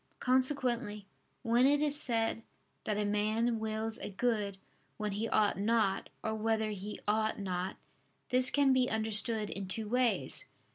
Consequently when it is said that a man wills a good when he ought not, or where he ought not, this can be understood in two ways.